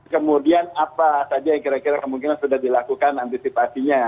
kemudian apa saja yang kira kira kemungkinan sudah dilakukan antisipasinya